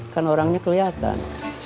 kan orangnya keliatan